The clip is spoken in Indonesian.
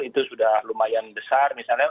itu sudah lumayan besar